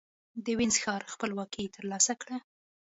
د وينز ښار خپلواکي ترلاسه کړه.